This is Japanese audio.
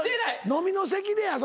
飲みの席でや。